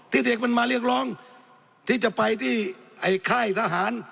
เด็กมันมาเรียกร้องที่จะไปที่ไอ้ค่ายทหาร